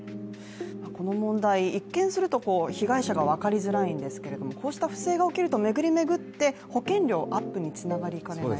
この問題、一見すると被害者が分かりづらいんですけれどもこうした不正が起きると巡り巡って保険料アップにつながりかねない。